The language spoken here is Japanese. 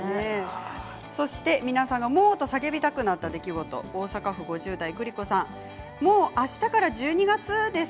そして皆さんがモーと叫びたくなった出来事大阪府５０代の方モーあしたから１２月です。